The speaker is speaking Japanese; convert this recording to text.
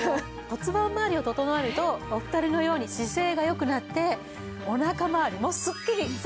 骨盤まわりを整えるとお二人のように姿勢が良くなってお腹まわりもスッキリするんです。